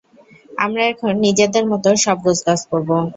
আমরা এখন নিজেদের মতো সব গোছগাছ করব!